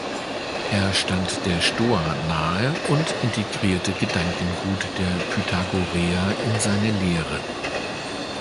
Er stand der Stoa nahe und integrierte Gedankengut der Pythagoreer in seine Lehre.